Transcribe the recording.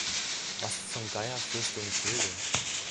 Was zum Geier führst du im Schilde?